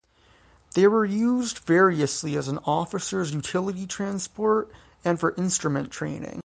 They were used variously as an officer's utility transport and for instrument training.